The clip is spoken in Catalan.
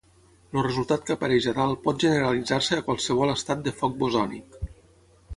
El resultat que apareix a dalt pot generalitzar-se a qualsevol estat de Fock bosònic.